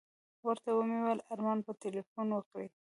ورته ومې ویل ارماني به تیلفون وکړي.